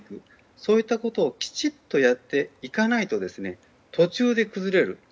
そういったことをきちっとやっていかないと途中で崩れる。